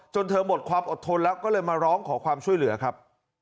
เธอหมดความอดทนแล้วก็เลยมาร้องขอความช่วยเหลือครับ